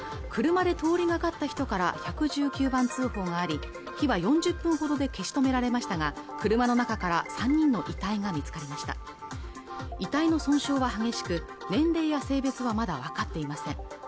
車で通りがかった人から１１９番通報があり火は４０分ほどで消し止められましたが車の中から３人の遺体が見つかりました遺体の損傷は激しく年齢や性別はまだ分かっていません